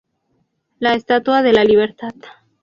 La Estatua de la Libertad.